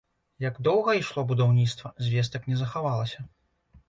Як доўга ішло будаўніцтва, звестак не захавалася.